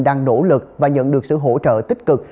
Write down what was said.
đang nỗ lực và nhận được sự hỗ trợ tích cực